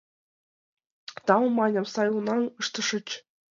— Тау, — маньым, — сай унам ыштышыч.